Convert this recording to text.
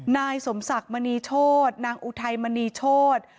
นายสมศักดิ์มณีโชธนางอุทัยมณีโชธ